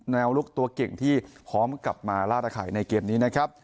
ลุกตัวเก่งที่พร้อมกลับมาลาดอาไข่ในเกมนี้นะครับ